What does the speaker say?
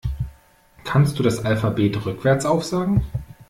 Kannst du das Alphabet rückwärts aufsagen?